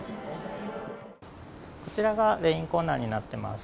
こちらがレインコーナーになってます。